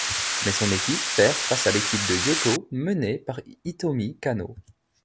Mais son équipe perd face à l'équipe de Yōto, menée par Hitomi Kanō.